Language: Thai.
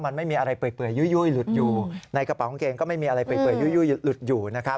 มันไม่มีอะไรเปื่อยยุ้ยหลุดอยู่